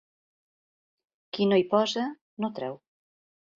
Qui no hi posa, no treu.